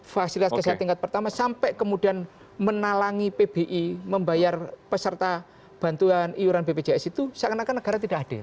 fasilitas kesehatan tingkat pertama sampai kemudian menalangi pbi membayar peserta bantuan iuran bpjs itu seakan akan negara tidak hadir